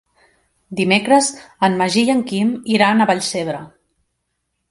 Dimecres en Magí i en Quim iran a Vallcebre.